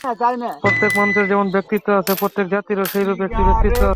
প্রত্যেক মানুষের যেমন ব্যক্তিত্ব আছে, প্রত্যেক জাতিরও সেইরূপ একটি ব্যক্তিত্ব আছে।